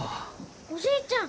おじいちゃん！